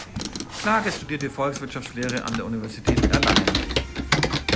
Klages studierte Volkswirtschaftslehre an der Universität Erlangen.